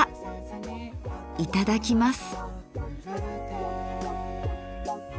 いただきます。